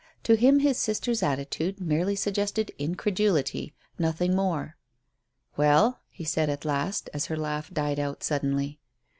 To him his sister's attitude merely suggested incredulity, nothing more. "Well?" he said at last, as her laugh died out suddenly.